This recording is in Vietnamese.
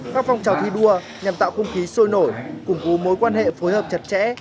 các phong trào thi đua nhằm tạo không khí sôi nổi củng cố mối quan hệ phối hợp chặt chẽ